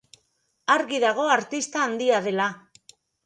Argi dago artista handia dela.